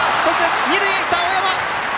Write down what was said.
二塁へ行った青山！